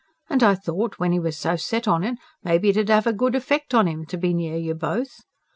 And I thought, when he was so set on it, may be it'd have a good effect on 'im, to be near you both.